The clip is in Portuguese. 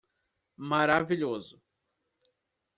Maravilhoso